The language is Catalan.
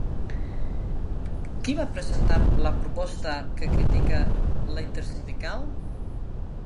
Qui va presentar la proposta que critica la Intersindical?